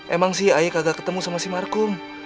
emang si ayi kagak ketemu sama si markum